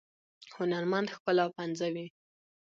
هنرمند ښکلا پنځوي